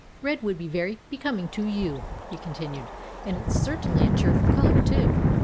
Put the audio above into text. "Red would be very becoming to you," he continued. "And it's certainly a cheerful color, too.